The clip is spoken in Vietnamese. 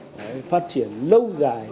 để phát triển lâu dài